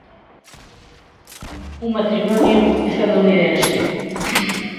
Un matrimonio estadounidense.